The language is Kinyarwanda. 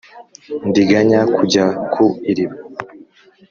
Ndiganya kujya ku iriba.